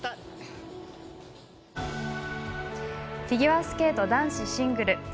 フィギュアスケート男子シングル。